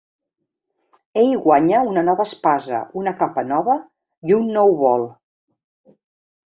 Ell guanya una nova espasa, una capa nova, i un nou bol.